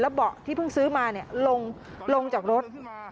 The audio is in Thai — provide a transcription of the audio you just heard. เบาะที่เพิ่งซื้อมาลงจากรถ